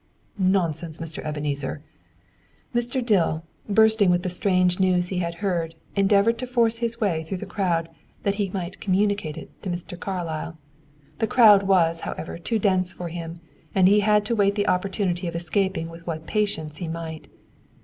"Nonsense, Mr. Ebenezer!" Mr. Dill, bursting with the strange news he had heard, endeavored to force his way through the crowd, that he might communicate it to Mr. Carlyle. The crowd was, however, too dense for him, and he had to wait the opportunity of escaping with what patience he might.